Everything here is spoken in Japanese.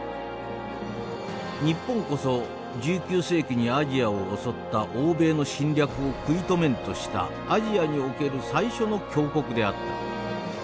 「日本こそ１９世紀にアジアを襲った欧米の侵略を食い止めんとしたアジアにおける最初の強国であった。